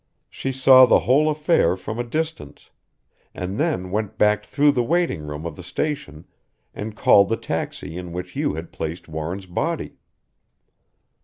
She saw the whole affair from a distance and then went back through the waiting room of the station and called the taxi in which you had placed Warren's body."